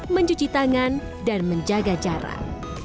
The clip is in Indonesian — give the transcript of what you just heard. mencuci tangan dan menjaga jarak